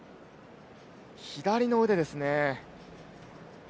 左の腕ですね。